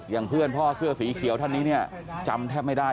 เพื่อนพ่อเสื้อสีเขียวท่านนี้เนี่ยจำแทบไม่ได้